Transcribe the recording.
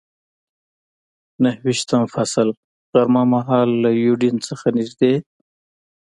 نهه ویشتم فصل، غرمه مهال له یوډین څخه نږدې.